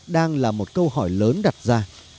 đang là một câu hỏi lớn đặt ra